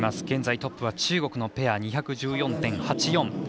現在トップは中国のペア２１４．８４。